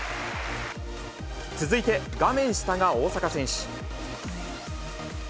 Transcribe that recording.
続いて、画面下が大坂選手。